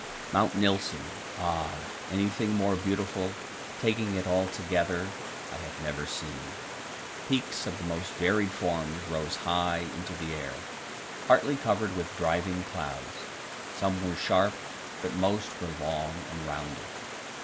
Mount Nilsen ah! anything more beautiful, taking it altogether, I have never seen. Peaks of the most varied forms rose high into the air, partly covered with driving clouds. Some were sharp, but most were long and rounded.